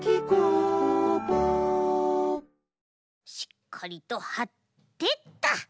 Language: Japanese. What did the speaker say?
しっかりとはってと。